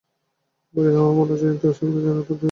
আবার ইহাও বলা হয়, নিত্যবস্তুকে জানা অতি কঠিন।